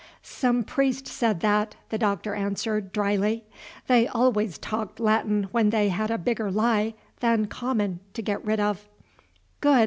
"Some priest said that," the Doctor answered, dryly. "They always talked Latin when they had a bigger lie than common to get rid of." "Good!"